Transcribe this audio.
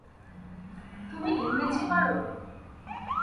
তুমি ইংরেজি পারো?